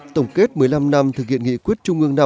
tổng kết một mươi năm năm thực hiện nghị quyết trung ương năm